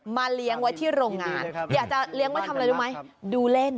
เลี้ยงไว้ที่โรงงานอยากจะเลี้ยงไว้ทำอะไรรู้ไหมดูเล่น